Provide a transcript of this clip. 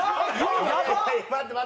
待って待って。